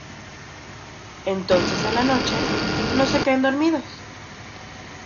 Entonces en la noche, no se caen dormidos.